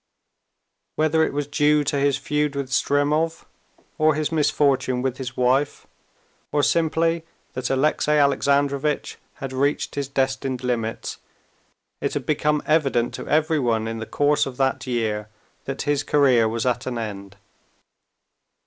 Whether it was due to his feud with Stremov, or his misfortune with his wife, or simply that Alexey Alexandrovitch had reached his destined limits, it had become evident to everyone in the course of that year that his career was at an end.